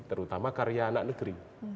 terutama karya anak negeri